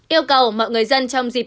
yêu cầu mọi người dân trong dịp